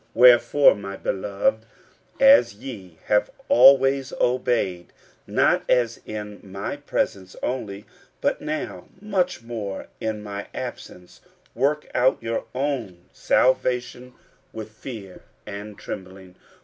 50:002:012 Wherefore, my beloved, as ye have always obeyed, not as in my presence only, but now much more in my absence, work out your own salvation with fear and trembling.